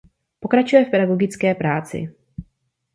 Pokračuje v pedagogické práci.